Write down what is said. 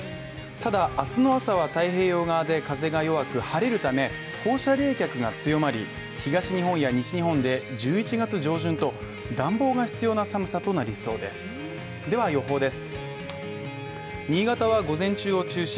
ただ、あすの朝は太平洋側で風が弱く晴れるため、放射冷却が強まり東日本や西日本で１１月上旬と暖房が必要な寒さとなりそうですでは予報です。